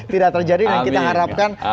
tidak terjadi dan kita harapkan